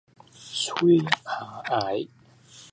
喙下頦